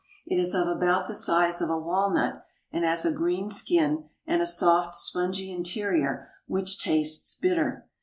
It is of about the size of a walnut, and has a green skin and a soft, spongy interior which tastes bitter.